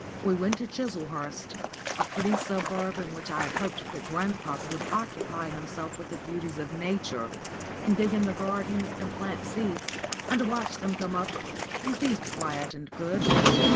We went to Chislehurst, a pretty suburb in which I hoped that grandpapa would occupy himself with the beauties of Nature, and dig in the garden and plant seeds, and watch them come up, and be quiet and good.